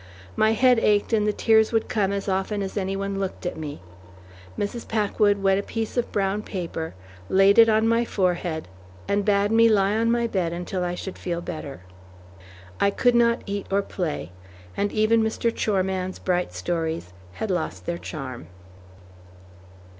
My head ached and the tears would come as often as any one looked at me. Mrs. Packwood wet a piece of brown paper, laid it on my forehead, and bade me lie on my bed until I should feel better. I could not eat or play, and even Mr. Choreman's bright stories had lost their charm.